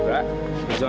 kalau ini emang